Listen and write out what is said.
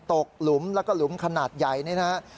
หลุมแล้วก็หลุมขนาดใหญ่นี่นะครับ